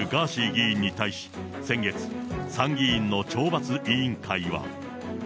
議員に対し、先月、参議院の懲罰委員会は。